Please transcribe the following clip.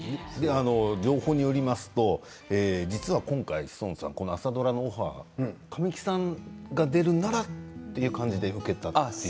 情報によりますと実は今回、志尊さんこの朝ドラのオファー神木さんが出るならという感じで受けたと。